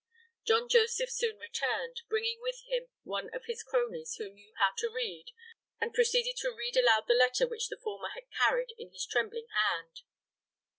John Joseph soon returned, bringing with him one of his cronies who knew how to read and who proceeded to read aloud the letter which the former had carried in his trembling hand.